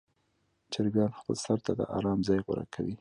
چرګان خپل سر ته د آرام ځای غوره کوي.